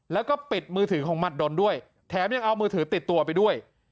แล้วก็ปิดมือถือของหมัดดนด้วยแถมยังเอามือถือติดตัวไปด้วย